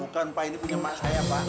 bukan pak ini punya mak saya pak